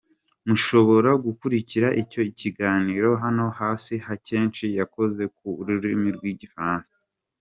Mushobora gukurikira icyo kiganiro hano hasi akenshi cyakozwe mu rurimi rw’igifaransa: